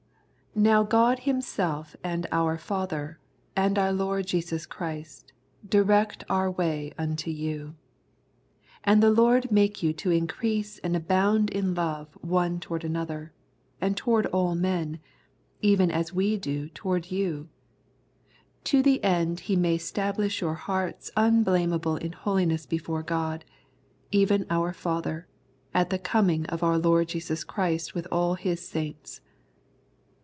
" Now God Himself and our Father, and our Lord Jesus Christ, direct our way unto you. And the Lord make you to increase and abound in love one toward another, and toward all men, even as we do toward you : To the end He may stablish your hearts unblameable in holiness before God, even our Father, at the coming of our Lord Jesus Christ with all His saints."